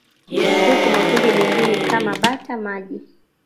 Huku makundi mengine kama bata maji